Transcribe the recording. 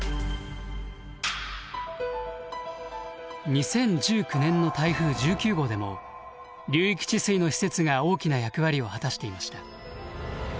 ２０１９年の台風１９号でも流域治水の施設が大きな役割を果たしていました。